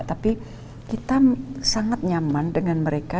tapi kita sangat nyaman dengan mereka